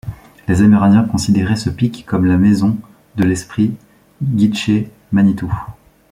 Les Amérindiens considéraient ce pic comme la maison de l'Esprit Gitche Manitou.